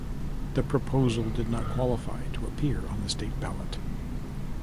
The proposal did not qualify to appear on the state ballot.